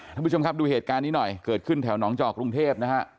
ท่านผู้ชมครับดูเหตุการณ์นี้หน่อยเกิดขึ้นแถวหนองจอกกรุงเทพนะฮะ